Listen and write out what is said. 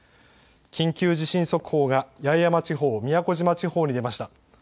緊急地震速報が八重山地方、宮古島地方に出ました。